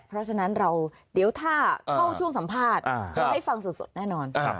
เพราะฉะนั้นเราเดี๋ยวถ้าเข้าช่วงสัมภาษณ์เราให้ฟังสดแน่นอน